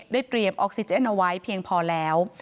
เตรียมออกซิเจนเอาไว้เพียงพอแล้ว